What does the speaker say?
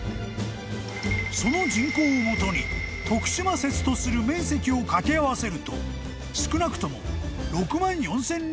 ［その人口を基に徳島説とする面積を掛け合わせると少なくとも］